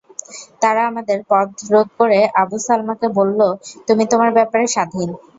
তারা আমাদের পথ রোধ করে আবু সালামাকে বলল, তুমি তোমার ব্যাপারে স্বাধীন।